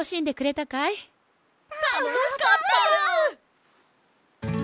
たのしかったです！